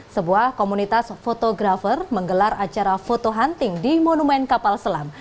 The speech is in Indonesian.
sebuah komunitas fotografer menggelar acara foto hunting di monumen kapal selam